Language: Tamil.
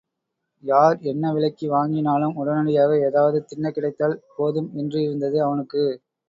யார் என்ன விலைக்கு வாங்கினாலும் உடனடியாக ஏதாவது தின்னக் கிடைத்தால் போதும் என்றிருந்தது அவனுக்கு.